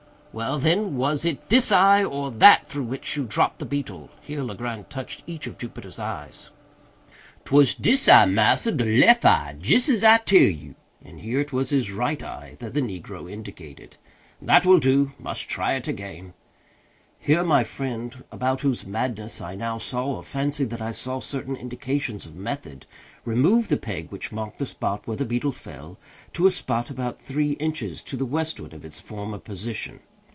"Well, then, was it this eye or that through which you dropped the beetle?"—here Legrand touched each of Jupiter's eyes. "'Twas dis eye, massa—de lef eye—jis as you tell me," and here it was his right eye that the negro indicated. "That will do—we must try it again." Here my friend, about whose madness I now saw, or fancied that I saw, certain indications of method, removed the peg which marked the spot where the beetle fell, to a spot about three inches to the westward of its former position.